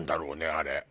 あれ。